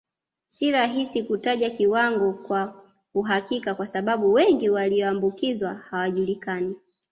Si rahisi kutaja kiwango kwa uhakika kwa sababu wengi walioambukizwa hawajulikani